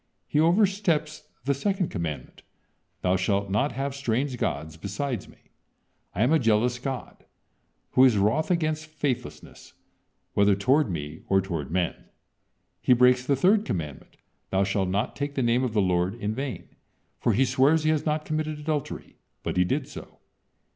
He oversteps the second commandment: "Thou shalt not have strange gods besides Me…, I am a jealous God," who is wroth against faithlessness, whether toward Me, or toward men. He breaks the third commandment: "Thou shalt not take the name of the Lord in vain," for he swears he has not committed adultery, but he did so.